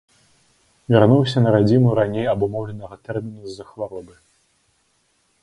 Вярнуўся на радзіму раней абумоўленага тэрміну з-за хваробы.